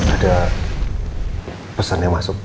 ada pesen yang masuk